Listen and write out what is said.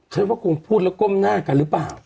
ฉันว่าคงพูดแล้วก้มหน้ากันหรือเปล่า